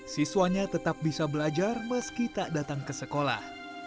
siswanya tetap bisa belajar meski tak datang ke sekolah